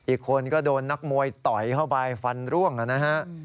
อีกคนก็โดนนักมวยต่อยเข้าไปฟันร่วงนะฮะ